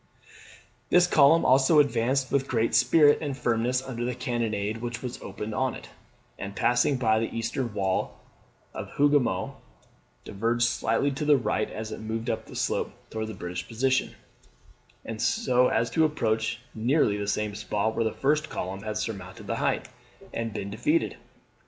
This column also advanced with great spirit and firmness under the cannonade which was opened on it; and passing by the eastern wall of Hougoumont, diverged slightly to the right as it moved up the slope towards the British position, so as to approach nearly the same spot where the first column had surmounted the height, and been defeated.